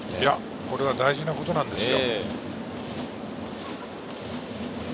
大事なことなんですよ。